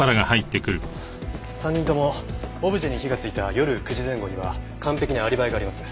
３人ともオブジェに火がついた夜９時前後には完璧なアリバイがあります。